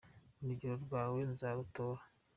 Urugero rwawe nzarutora